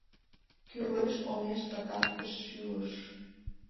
Кӱрлеш оҥеш пытартыш шӱлыш.